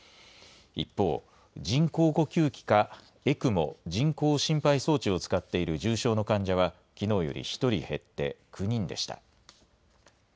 一方、人工呼吸器かＥＣＭＯ・人工心肺装置を使っている重症の患者は、きのうより１人減って９人でした。